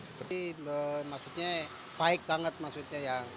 jadi maksudnya baik banget maksudnya ya